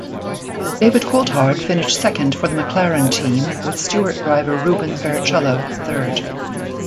David Coulthard finished second for the McLaren team with Stewart driver Rubens Barrichello third.